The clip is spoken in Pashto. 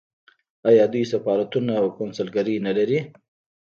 آیا دوی سفارتونه او کونسلګرۍ نلري؟